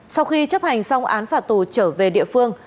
sau khi chấp hành xong án phạt tù trở về địa phương